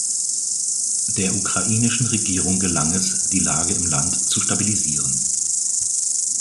Der ukrainischen Regierung gelang es, die Lage im Land zu stabilisieren.